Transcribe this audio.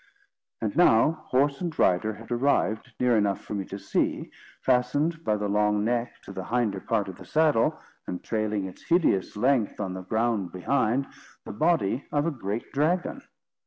And now horse and rider had arrived near enough for me to see, fastened by the long neck to the hinder part of the saddle, and trailing its hideous length on the ground behind, the body of a great dragon.